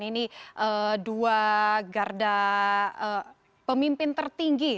ini dua garda pemimpin tertinggi